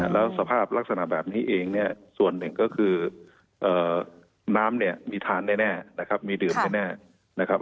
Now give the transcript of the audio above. แล้วสภาพลักษณะแบบนี้เองเนี่ยส่วนหนึ่งก็คือน้ำเนี่ยมีทานแน่นะครับมีดื่มแน่นะครับ